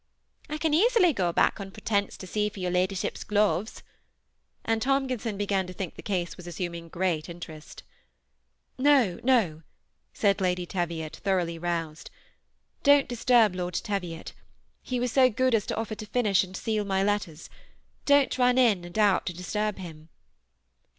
" I can easily go back on pretence to see for your ladyship's gloves ;" and Tomkinson began to think the case was assuming great interest "No, no," said Lady Teviot, thoroughly roused; " don't disturb Lord Teviot ; he was so good as to offer to finish and seal my letters ; don't run in and out to disturb him."